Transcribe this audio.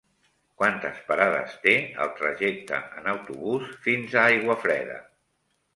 Quantes parades té el trajecte en autobús fins a Aiguafreda?